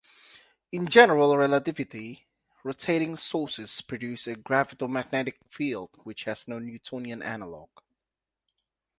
In general relativity, rotating sources produce a gravitomagnetic field which has no Newtonian analog.